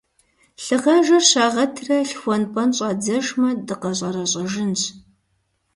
Лъыгъажэр щагъэтрэ лъхуэн-пӀэн щӀадзэжмэ, дыкъэщӀэрэщӀэжынщ.